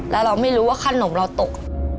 แล้วเราไม่รู้ว่าขนมเราตก